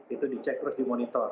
itu dicek terus dimonitor